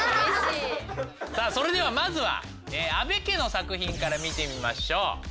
さあそれではまずは安部家の作品から見てみましょう。